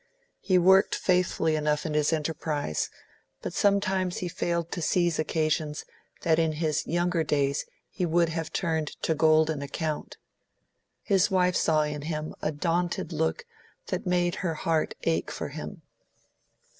He worked faithfully enough in his enterprise, but sometimes he failed to seize occasions that in his younger days he would have turned to golden account. His wife saw in him a daunted look that made her heart ache for him.